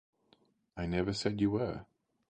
I never said you were.